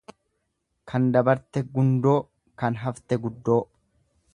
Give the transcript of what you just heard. Kan dabarte gundoo, kan hafte guddoo.